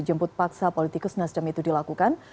jemput paksa politikus nasdem itu dilakukan